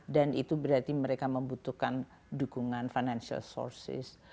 dan itu berarti mereka membutuhkan dukungan financial sources